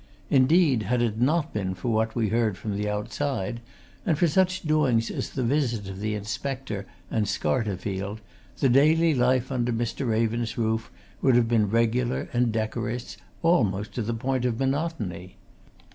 Indeed, had it not been for what we heard from outside, and for such doings as the visit of the inspector and Scarterfield, the daily life under Mr. Raven's roof would have been regular and decorous almost to the point of monotony.